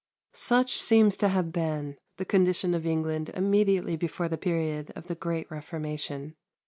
Such seems to have been the condition of England immediately before the period of the great Reformation.